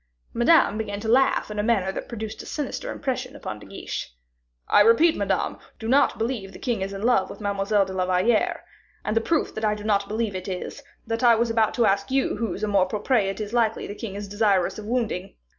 Madame began to laugh in a manner that produced a sinister impression upon De Guiche. "I repeat, Madame, I do not believe the king is in love with Mademoiselle de la Valliere; and the proof that I do not believe it is, that I was about to ask you whose amour propre it is likely the king is desirous of wounding?